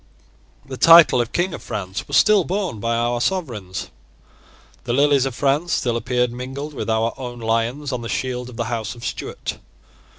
The title of King of France was still borne by our sovereigns. The lilies of France still appeared, mingled with our own lions, on the shield of the House of Stuart.